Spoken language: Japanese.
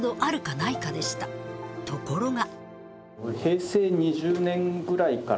ところが。